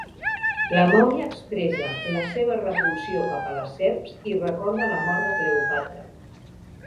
La mòmia expressa la seva repulsió cap a les serps i recorda la mort de Cleopatra.